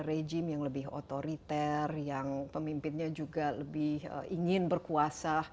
rejim yang lebih otoriter yang pemimpinnya juga lebih ingin berkuasa